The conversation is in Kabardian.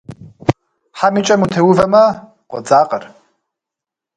Хьэм и кӏэм утеувэмэ, къодзакъэр.